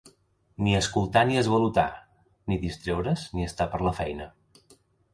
Ni escoltar ni esvalotar: ni distreure's, ni estar per la feina.